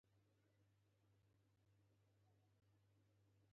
زرغونه تجوید وايي.